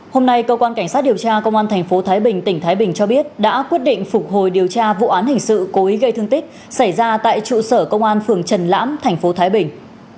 hôm nay cơ quan cảnh sát điều tra công an tp thái bình tỉnh thái bình cho biết đã quyết định phục hồi điều tra vụ án hình sự cố ý gây thương tích xảy ra tại trụ sở công an phường trần lãm thành phố thái bình